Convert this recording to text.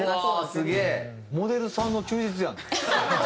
モデルさんの休日やん。